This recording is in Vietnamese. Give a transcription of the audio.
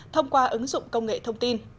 thông qua ứng dụng công nghệ thông tin